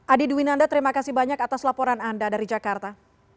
adi dwinanda terima kasih banyak atas laporan anda dari jakarta